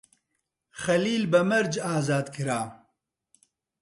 خەلیل بە مەرج ئازاد کرا.